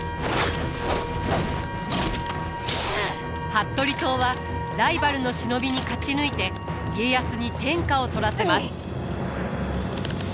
服部党はライバルの忍びに勝ち抜いて家康に天下を取らせます。